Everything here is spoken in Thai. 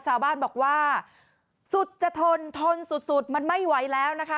ชาวบ้านบอกว่าสุดจะทนทนสุดสุดมันไม่ไหวแล้วนะคะ